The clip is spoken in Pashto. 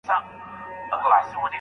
یو تر بله یې په ساندوکي سیالي وه